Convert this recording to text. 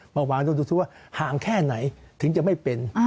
มาวางตัวดูว่าห่างแค่ไหนถึงจะไม่เป็น